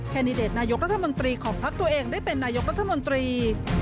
แดดิเดตนายกรัฐมนตรีของพักตัวเองได้เป็นนายกรัฐมนตรี